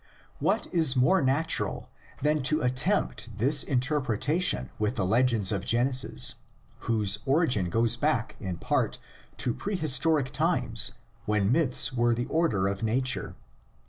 What is more natural than to attempt this interpretation with the legends of Gen esis whose origin goes back in part to prehistoric times when myths were the order of nature?